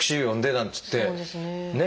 なんっつってねえ。